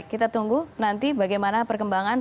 kita tunggu nanti bagaimana perkembangan